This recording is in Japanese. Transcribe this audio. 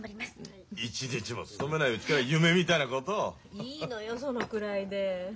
いいのよそのくらいで。